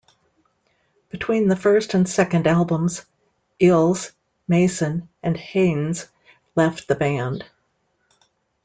Between the first and second albums, Eels, Mason, and Haynes left the band.